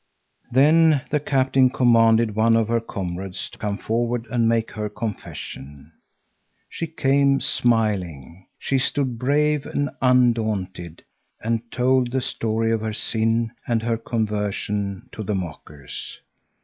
Then the captain commanded one of her comrades to come forward and make her confession. She came smiling. She stood brave and undaunted and told the story of her sin and her conversion to the mockers.